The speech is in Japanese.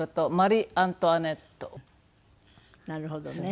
なるほどね。